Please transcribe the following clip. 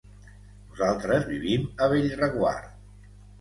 Nosaltres vivim a Bellreguard.